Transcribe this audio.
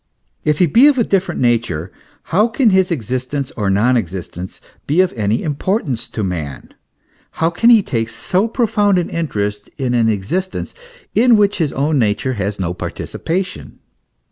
If he be of a different nature, how can his existence or non existence be of any importance to man ? How can he take so profound an interest in an existence in which his own nature has no par ticipation